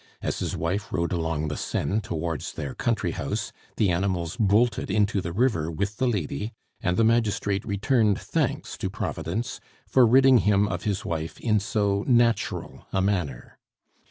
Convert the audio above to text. As his wife rode along the Seine towards their country house, the animals bolted into the river with the lady, and the magistrate returned thanks to Providence for ridding him of his wife "in so natural a manner."